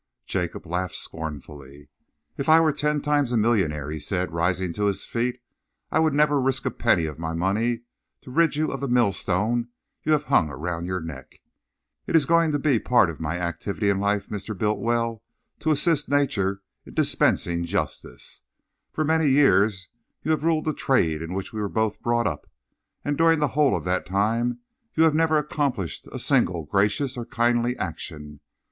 Jacob laughed scornfully. "If I were ten times a millionaire," he said, rising to his feet, "I would never risk a penny of my money to rid you of the millstone you have hung around your neck. It is going to be part of my activity in life, Mr. Bultiwell, to assist nature in dispensing justice. For many years you have ruled the trade in which we were both brought up, and during the whole of that time you have never accomplished a single gracious or kindly action.